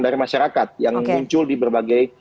dari masyarakat yang muncul di berbagai